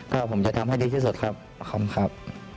ก็ผมจะทำให้ดีที่สุดครับประคอมครับ